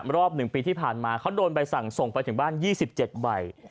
รอบหนึ่งปีที่ผ่านมาเขาโดนใบสั่งส่งไปถึงบ้านยี่สิบเจ็ดใบ